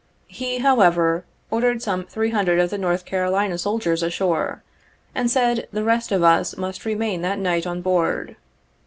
He, however, ordered some three hundred of the North Carolina soldiers ashore, and said the rest of us must remain that night on board.